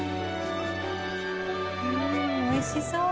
うんおいしそう！